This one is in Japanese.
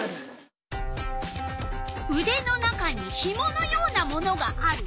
うでの中にひものようなものがある。